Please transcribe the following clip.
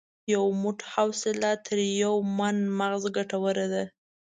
یو موټ حوصله تر یو من مغز ګټوره ده.